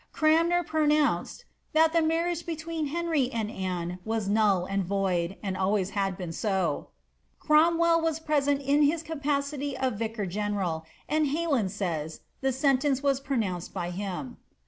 Cranmer pronounced ^^ that the marriage between Henry and Anne was null and void, and always had been so.*^ Cromwell was present in his capacity of vicar gen end, aud Ileylin says, the sentence was pro nounced by him.